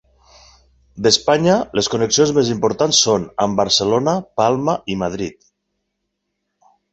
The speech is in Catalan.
D'Espanya, les connexions més importants són amb Barcelona, Palma i Madrid.